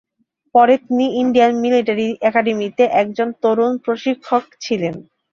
পরে তিনি Indian military একাডেমিতে একজন তরুণ প্রশিক্ষক ছিলেন।